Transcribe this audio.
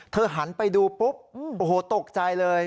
หันไปดูปุ๊บโอ้โหตกใจเลย